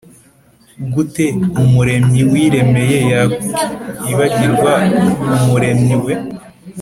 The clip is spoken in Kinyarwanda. Gute umuntu wiremeye yakibagirwa umuremyi we